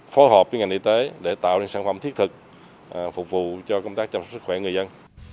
phối hợp với ngành y tế để tạo ra sản phẩm thiết thực phục vụ cho công tác chăm sóc sức khỏe người dân